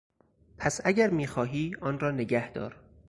پس اگر میخواهی آن را نگهدار.